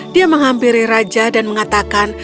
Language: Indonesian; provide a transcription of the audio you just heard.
dia menghampiri raja dan mengatakan